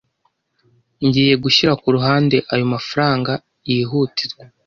Ngiye gushyira ku ruhande ayo mafranga yihutirwa.